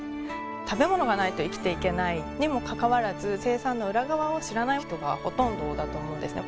食べ物がないと生きて行けないにもかかわらず生産の裏側を知らない人がほとんどだと思うんですね。